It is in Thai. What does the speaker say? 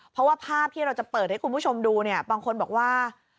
เพราะว่าภาพที่เราจะเปิดให้คุณผู้ชมดูเนี่ยบางคนบอกว่า